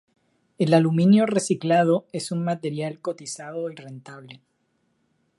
El aluminio reciclado es un material cotizado y rentable.